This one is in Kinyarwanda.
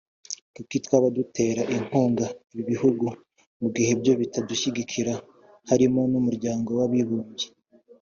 Kuki twaba dutera inkunga ibi bihugu mu gihe byo bitadushyigikira (harimo n’Umuryango w’Abibumbye)